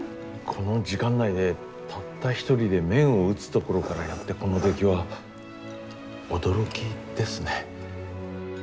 この時間内でたった一人で麺を打つところからやってこの出来は驚きですね。